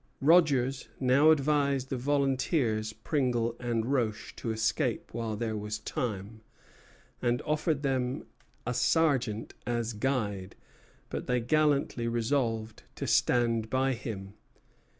Rogers now advised the volunteers, Pringle and Roche, to escape while there was time, and offered them a sergeant as guide; but they gallantly resolved to stand by him.